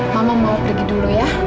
mama mau pergi dulu ya